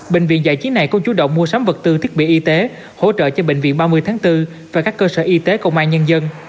bệnh viện giải chiến này cũng chú động mua sắm vật tư thiết bị y tế hỗ trợ cho bệnh viện ba mươi tháng bốn và các cơ sở y tế công an nhân dân